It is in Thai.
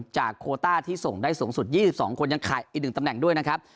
โคต้าที่ส่งได้สูงสุด๒๒คนยังขาดอีก๑ตำแหน่งด้วยนะครับ